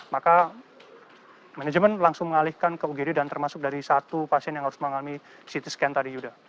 maka manajemen langsung mengalihkan ke ugd dan termasuk dari satu pasien yang harus mengalami ct scan tadi yuda